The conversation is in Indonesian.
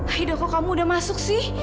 aida kok kamu sudah masuk sih